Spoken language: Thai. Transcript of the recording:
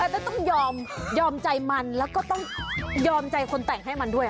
แต่ต้องยอมยอมใจมันแล้วยอมใจคนแต่งให้มันด้วย